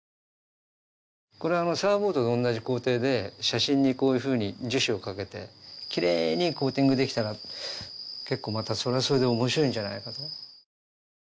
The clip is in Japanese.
これはあのサーフボードとおんなじ工程で写真にこういうふうに樹脂をかけてきれいにコーティングできたら結構またそれはそれでおもしろいんじゃないかと。